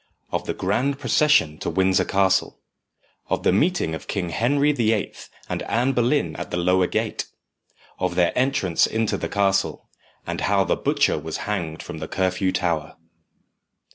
III. Of the Grand Procession to Windsor Castle Of the Meeting of King Henry the Eighth and Anne Boleyn at the Lower Gate Of their Entrance into the Castle And how the Butcher was Hanged from the Curfew Tower.